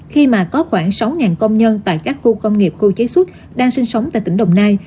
khi mà có khoảng sáu công nhân tại các khu công nghiệp khu chế xuất đang sinh sống tại tỉnh đồng nai